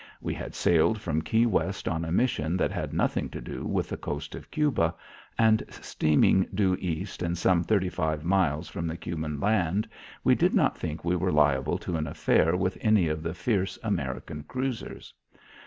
We had sailed from Key West on a mission that had nothing to do with the coast of Cuba, and steaming due east and some thirty five miles from the Cuban land, we did not think we were liable to an affair with any of the fierce American cruisers.